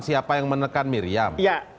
siapa yang menekan miriam